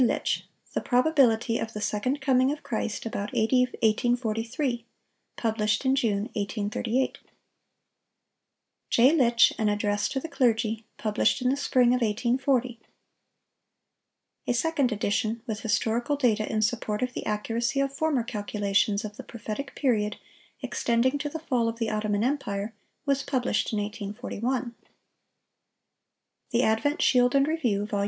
Litch, "The Probability of the Second Coming of Christ about A.D. 1843" (published in June, 1838); J. Litch, "An Address to the Clergy" (published in the spring of 1840; a second edition, with historical data in support of the accuracy of former calculations of the prophetic period extending to the fall of the Ottoman empire, was published in 1841); the Advent Shield and Review, Vol.